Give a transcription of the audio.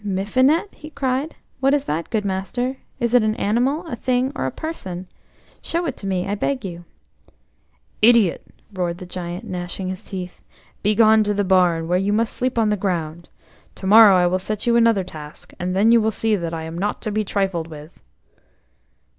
"'Mifinet'?" he cried. "What is that, good master? Is it an animal, a thing, or a person? Show it to me, I beg you." "Idiot!" roared the Giant, gnashing his teeth. "Begone to the barn, where you must sleep on the ground; to morrow I will set you another task, and then you will see that I am not to be trifled with."